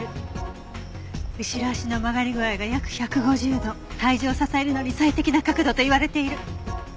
後ろ脚の曲がり具合が約１５０度体重を支えるのに最適な角度と言われている。